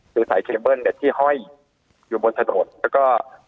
คือสายเคเบิ้ลเนี่ยที่ห้อยอยู่บนถนนแล้วก็